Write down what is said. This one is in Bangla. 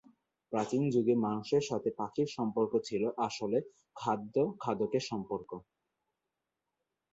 প্রাচীন যুগে মানুষের সাথে পাখির সম্পর্ক ছিল আসলে খাদ্য-খাদকের সম্পর্ক।